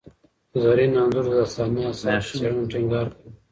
زرین انځور د داستاني اثر په څېړنه ټینګار کاوه.